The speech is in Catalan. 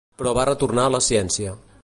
Però va retornar a la ciència.